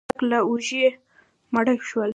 ګڼ خلک له لوږې مړه شول.